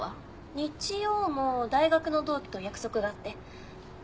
日曜も大学の同期と約束があって。